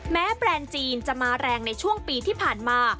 แบรนด์จีนจะมาแรงในช่วงปีที่ผ่านมา